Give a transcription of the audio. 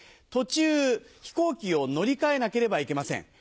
途中飛行機を乗り換えなければいけません。